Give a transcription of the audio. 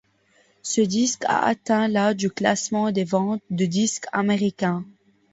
Ce disque a atteint la du classement des ventes de disques américain.